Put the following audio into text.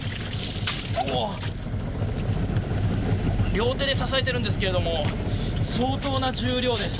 両手で支えているんですが相当な重量です。